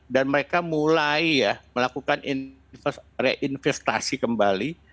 dan mereka mulai ya melakukan reinvestasi kembali